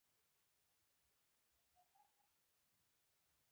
هغې وويل اوس.